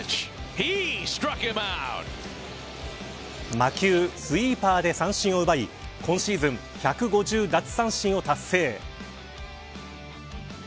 魔球スイーパーで三振を奪い今シーズン１５０奪三振を達成。